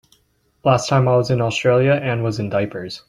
Last time I was in Australia Anne was in diapers.